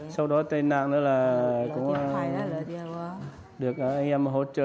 sau đó tên nạn nữa là cũng được anh em hỗ trợ